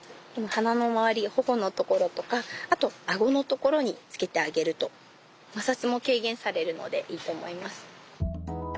鼻の周り頬のところとかあと顎のところにつけてあげると摩擦も軽減されるのでいいと思います。